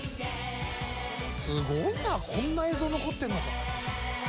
すごいなこんな映像残ってんのか。